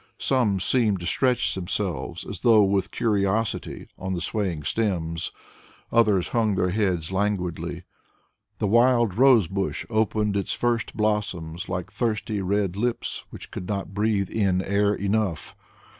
Some seemed to stretch themselves as though with curiosity on swaying stems, others hung their heads languidly. The wild rose bush opened its first blossoms like thirsty red lips which could not breathe in air enough.